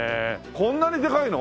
こんなにでかいの？